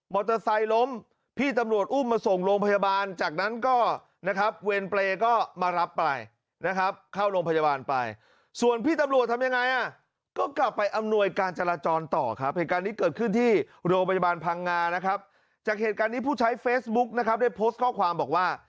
ล้มพี่ตำรวจอุ้มมาส่งโรงพยาบาลจากนั้นก็นะครับเวรเปรย์ก็มารับไปนะครับเข้าโรงพยาบาลไปส่วนพี่ตำรวจทำยังไงอ่ะก็กลับไปอำนวยการจราจรต่อครับเหตุการณ์นี้เกิดขึ้นที่โรงพยาบาลพังงานะครับจากเหตุการณ์นี้ผู้ใช้เฟซบุ๊กนะครับได้โพสต์ข้อความบอกว่า